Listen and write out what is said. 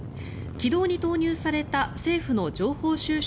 軌道に投入された政府の情報収集